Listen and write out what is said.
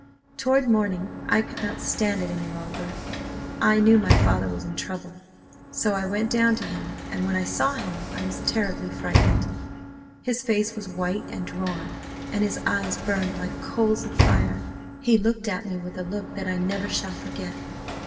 Toward morning I could not stand it any longer. I knew my father was in trouble. So I went down to him, and when I saw him I was terribly frightened. His face was white and drawn and his eyes burned like coals of fire. He looked at me with a look that I never shall forget.